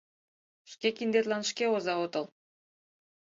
Шке киндетлан шке оза отыл...